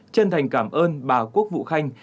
chân thành cảm ơn bà quốc vụ khanh